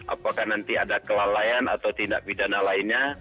apakah nanti ada kelalaian atau tindak pidana lainnya